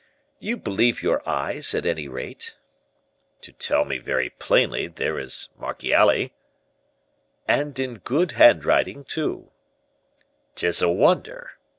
"You believe your eyes, at any rate." "To tell me very plainly there is 'Marchiali.'" "And in a good handwriting, too." "'Tis a wonder!